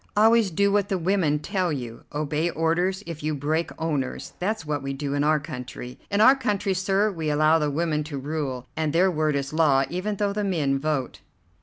Always do what the women tell you. Obey orders if you break owners. That's what we do in our country. In our country, sir, we allow the women to rule, and their word is law, even though the men vote."